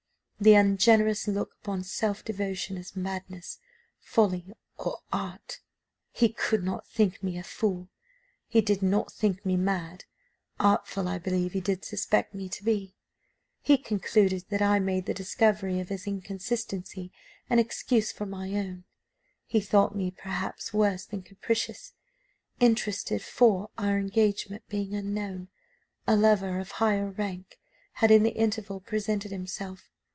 The ungenerous look upon self devotion as madness, folly, or art: he could not think me a fool, he did not think me mad, artful I believe he did suspect me to be; he concluded that I made the discovery of his inconstancy an excuse for my own; he thought me, perhaps, worse than capricious, interested for, our engagement being unknown, a lover of higher rank had, in the interval, presented himself.